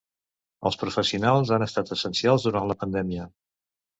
Els professionals han estat essencials durant la pandèmia.